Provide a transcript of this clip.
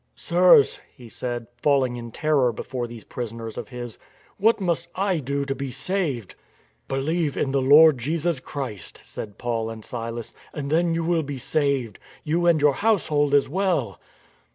" Sirs," he said, falling in terror before these pris oners of his, " what must I do to be saved? "" Believe in the Lord Jesus Christ," said Paul and Silas, " and then you will be saved, you and your household as well."